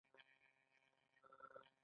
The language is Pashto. آيـا دا مـنطـقـي او سـمـه لاره ده.